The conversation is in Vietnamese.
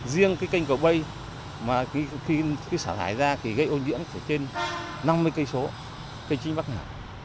riêng cái kênh cầu bây mà khi xả thải ra thì gây ô nhiễm của trên năm mươi km kênh chính bắc hải